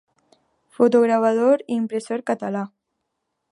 Fotogravador i impressor català.